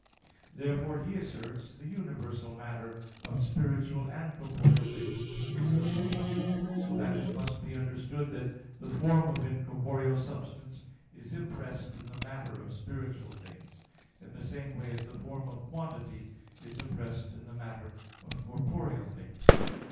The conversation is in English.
Therefore, he asserts the universal matter of spiritual and corporeal things is the same; so that it must be understood that the form of incorporeal substance is impressed in the matter of spiritual things, in the same way as the form of quantity is impressed in the matter of corporeal things.